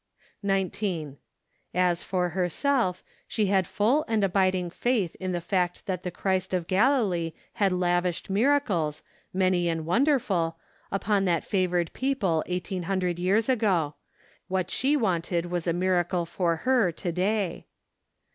19. As for herself, she had full and abiding faith in the fact that the Christ of Galilee had lavished miracles, many and wonderful, upon that favored people eigh¬ teen hundred years ago; what she wanted was a miracle for her, to day.